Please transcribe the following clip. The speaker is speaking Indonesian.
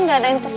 gak ada yang ter